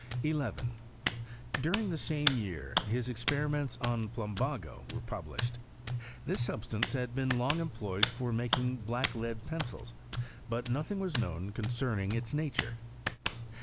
11. During the same year, his experiments on plumbago were published. This substance had been PROGRESS OF CHEMISTRY IN SWEDEN. 71 kmg employed for making black lead pencils ; but nothing was known concerning its nature.